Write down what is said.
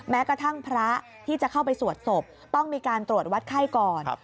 แม้กระทั่งพระที่จะเข้าไปสวดศพต้องมีการตรวจวัดไข้ก่อน